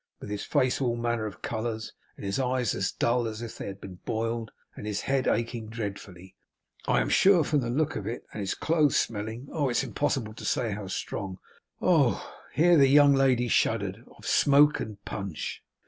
with his face all manner of colours, and his eyes as dull as if they had been boiled, and his head aching dreadfully, I am sure from the look of it, and his clothes smelling, oh it's impossible to say how strong, oh' here the young lady shuddered 'of smoke and punch.